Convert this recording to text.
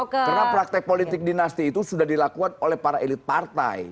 karena praktek politik dinasti itu sudah dilakukan oleh para elit partai